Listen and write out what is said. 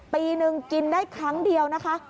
ปีนึงกินได้ครั้งเดียวนะคะ